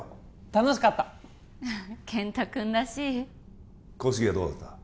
楽しかった健太君らしい小杉はどうだった？